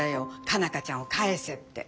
佳奈花ちゃんを返せって。